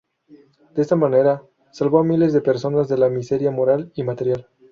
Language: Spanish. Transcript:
De esta manera, salvó a miles de personas de la miseria moral y material.